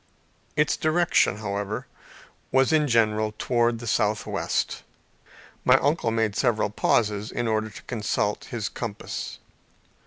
Its direction, however, was in general towards the southwest. My uncle made several pauses in order to consult his compass.